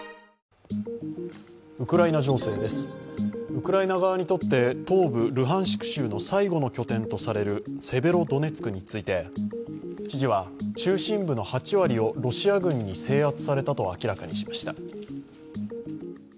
ウクライナ側にとって東部ルハンシク州の最後の拠点とされるセベロドネツクについて、知事は中心部の８割をロシア軍に制圧されたと明らかにしました。